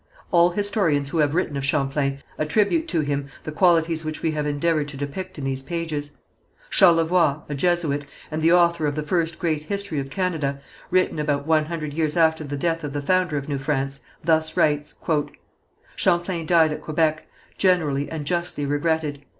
All historians who have written of Champlain attribute to him the qualities which we have endeavoured to depict in these pages. Charlevoix, a Jesuit, and the author of the first great history of Canada, written about one hundred years after the death of the founder of New France, thus writes: "Champlain died at Quebec, generally and justly regretted.